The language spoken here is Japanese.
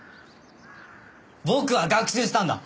僕は学習したんだ。